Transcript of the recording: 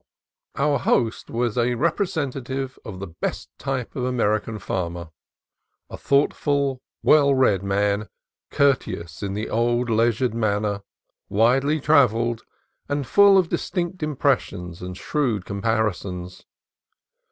Our host was a representative of the best type of American farmer: a thoughtful, well read man, courteous in the old, leisured manner, widely trav elled, and full of distinct impressions and shrewd comparisons.